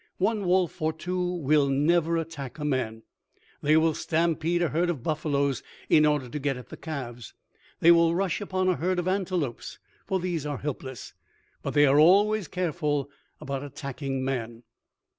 One wolf or two will never attack a man. They will stampede a herd of buffaloes in order to get at the calves; they will rush upon a herd of antelopes, for these are helpless; but they are always careful about attacking man."